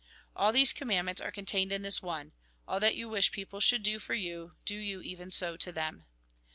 All these commandments are contained in this one : All that you wish people should do for you, do you even so to them.